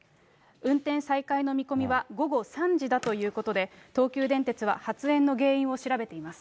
運転再開の見込みは午後３時だということで、東急電鉄は、発煙の原因を調べています。